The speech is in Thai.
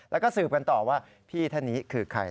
แล้วก็สืบกันต่อว่าพี่ท่านนี้คือใคร